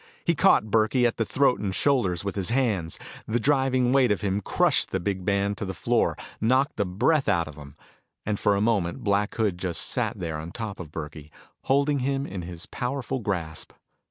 He caught Burkey at the throat and shoulders with his hands. The driving weight of him crushed the big man to the floor, knocked the breath out of him. And for a moment Black Hood just sat there on top of Burkey, holding him in his powerful grasp.